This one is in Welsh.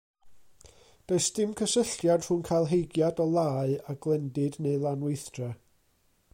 Does dim cysylltiad rhwng cael heigiad o lau a glendid neu lanweithdra.